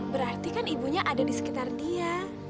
berarti kan ibunya ada di sekitar dia